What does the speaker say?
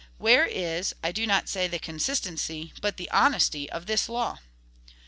Where is, I do not say the consistency, but, the honesty of this law?